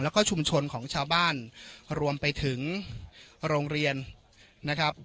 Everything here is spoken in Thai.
แล้วก็ชุมชนของชาวบ้านรวมไปถึงโรงเรียนนะครับ